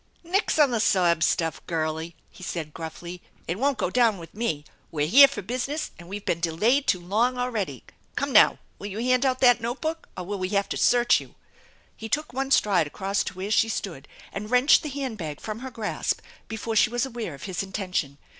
" Nix on the sob stuff, girlie !" he said gruffly. " It won't go down with me! We're here for business and we've been delayed too long already. Come now, will you hand out that note book or will we have to search you?" He took one stride across to where she stood and wrenched the hand bag from her grasp before she was aware of his intention.